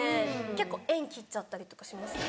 結構縁切っちゃったりとかしますね。